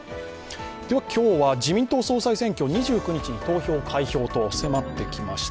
今日は自民党総裁選挙、２９日に投開票と迫ってきました。